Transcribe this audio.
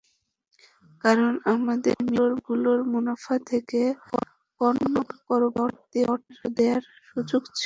কারণ, আমাদের মিলগুলোর মুনাফা থেকে কর্তন করে বাড়তি অর্থ দেওয়ার সুযোগ ছিল।